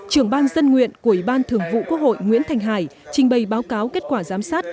trưởng ban dân nguyện của ủy ban thường vụ quốc hội nguyễn thành hải trình bày báo cáo kết quả giám sát